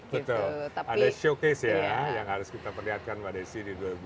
betul ada showcase ya yang harus kita perlihatkan di dua ribu empat